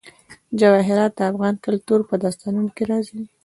جواهرات د افغان کلتور په داستانونو کې راځي.